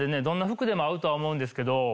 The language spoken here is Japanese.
どんな服でも合うとは思うんですけど。